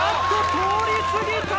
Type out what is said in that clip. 通り過ぎた。